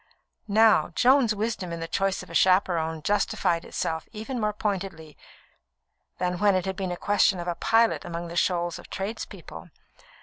Now, Joan's wisdom in the choice of a chaperon justified itself even more pointedly than when it had been a question of a pilot among shoals of tradespeople.